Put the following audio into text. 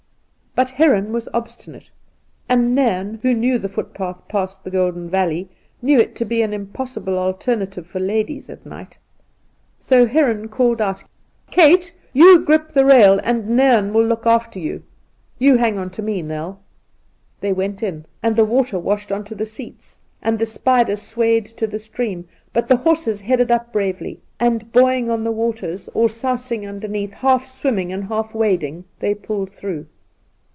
But Heron was obstinate, and Nairn, who knew the footpath past the Golden Valley, knew it to be an impossible alternative for ladies, at night ; so Heron called out :' Kate, you grip the rail, and Nairn will look aflier you ! You hang on to me, Nell!' They went in, and the water washed on to I J 2 Induna Nairn the seats, and the spider swayed to the stream ; but the horses headed up bravely, and buoying on the waters, or sousing underneath, half swimming and half wading, they pulled through.